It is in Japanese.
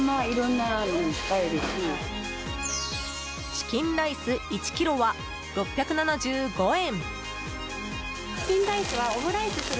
チキンライス１ｋｇは６７５円。